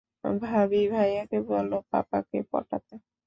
ভাবি, ভাইয়াকে বলো পাপাকে পটাতে।